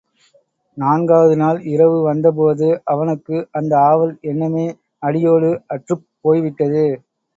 நான்காவது நாள் இரவு வந்தபோது, அவனுக்கு அந்த ஆவல் எண்ணமே அடியோடு அற்றுப்போய் விட்டது.